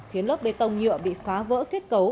khiến lớp bê tông nhựa bị phá vỡ kết cấu